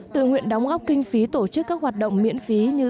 tự nguyện đóng góp kinh phí tổ chức các hoạt động miễn phí như